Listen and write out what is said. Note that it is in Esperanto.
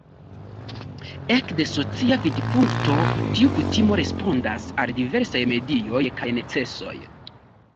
Ekde socia vidpunkto tiu kutimo respondas al diversaj medioj kaj necesoj.